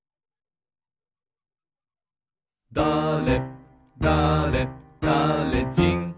「だれだれだれじん」